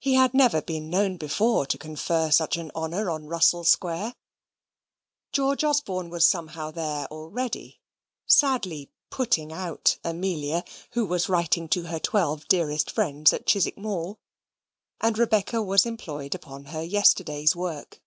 He had never been known before to confer such an honour on Russell Square. George Osborne was somehow there already (sadly "putting out" Amelia, who was writing to her twelve dearest friends at Chiswick Mall), and Rebecca was employed upon her yesterday's work.